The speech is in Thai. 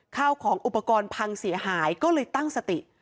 ข้าวของอุปกรณ์พังเสียหายก็เลยตั้งสติ